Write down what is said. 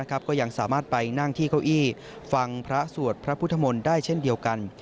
ก็ยังสามารถไปนั่งที่เก้าอี้ฟังพระสวดพระพุทธมนตร์ได้เช่นเดียวกัน